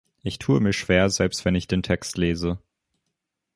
Ich tue mich schwer, selbst wenn ich den Text lese!